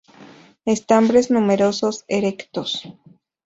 Estambres numerosos, erectos.